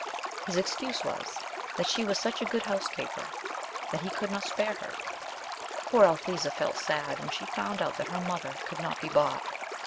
His excuse was, that she was such a good housekeeper that he could not spare her. Poor Althesa felt sad when she found that her mother could not be bought.